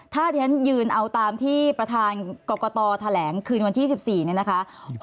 ถ้าที่ฉันยืนเอาตามที่ประธานกรกตแถลงคืนวันที่๑๔เนี่ยนะคะ